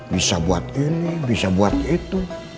bisa buat ini bisa buat itu